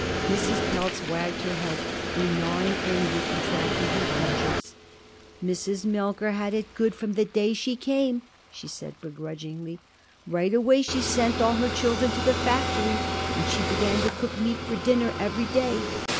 Mrs. Pelz wagged her head, a gnawing envy contracting her features. "Mrs. Melker had it good from the day she came," she said begrudgingly. "Right away she sent all her children to the factory, and she began to cook meat for dinner every day.